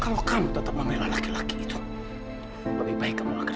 lo tuh sangat berhati di hidup gue